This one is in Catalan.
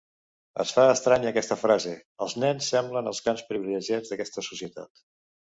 Es fa estranya aquesta frase: els nens semblen els grans privilegiats d’aquesta societat.